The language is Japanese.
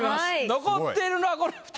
残っているのはこの二人。